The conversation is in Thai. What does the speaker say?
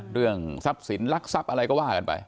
เรื่องทรัพย์สินลักทรัพย์อะไรก็ว่ากันไป